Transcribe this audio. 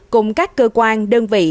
cùng các cơ quan đơn vị